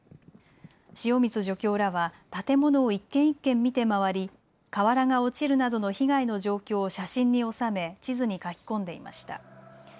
汐満助教らは建物を一軒一軒見て回り瓦が落ちるなどの被害の状況を写真に収め地図に書き込んでいました。